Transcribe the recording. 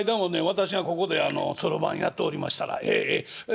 私がここでそろばんやっておりましたらええええ。